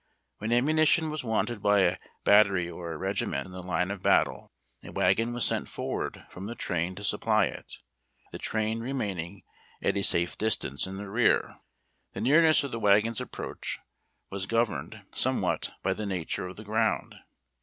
When ammunition was wanted by a battery or a regi ment in the line of battle, a wagon was sent forward from the train to supply it, the train remaining at a safe dis tance in the rear. The nearness of the wagon's approach was governed somewhat by the nature of the ground.